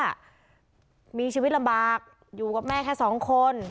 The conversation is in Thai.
ว่ามีชีวิตลำบากอยู่กับแม่แค่สองคน